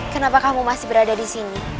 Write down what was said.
kenapa kamu masih berada disini